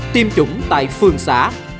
tiêm chủng tại phường xã